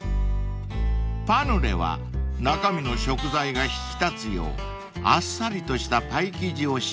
［パヌレは中身の食材が引き立つようあっさりとしたパイ生地を使用］